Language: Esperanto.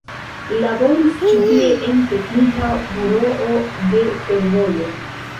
Laboris ĉi tie en teknika buroo de fervojo.